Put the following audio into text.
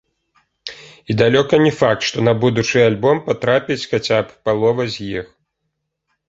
І далёка не факт, што на будучы альбом патрапіць хаця б палова з іх.